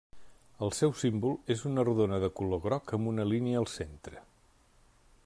El seu símbol és una rodona de color groc amb una línia al centre.